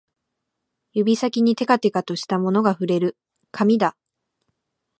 指先にてかてかとしたものが触れる、紙だ